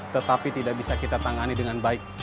tetapi tidak bisa kita tangani dengan baik